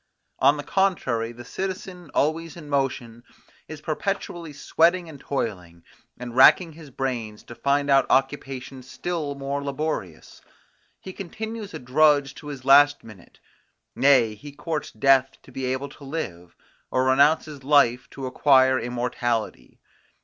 On the contrary, the citizen always in motion, is perpetually sweating and toiling, and racking his brains to find out occupations still more laborious: He continues a drudge to his last minute; nay, he courts death to be able to live, or renounces life to acquire immortality.